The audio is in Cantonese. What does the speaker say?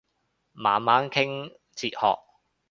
猛猛傾哲學